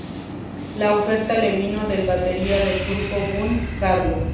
La oferta le vino del batería del grupo Bun E. Carlos.